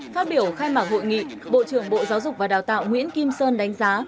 phát biểu khai mạc hội nghị bộ trưởng bộ giáo dục và đào tạo nguyễn kim sơn đánh giá